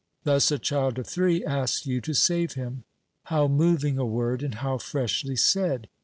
Thus, a child of three asks you to save him. How moving a word, and how freshly said!